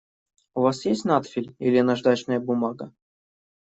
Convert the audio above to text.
У вас есть надфиль или наждачная бумага?